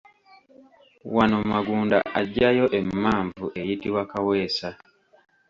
Wano Magunda aggyayo emmanvu eyitibwa Kaweesa.